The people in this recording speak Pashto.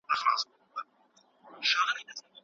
افغان ماشومان د لوړو زده کړو پوره حق نه لري.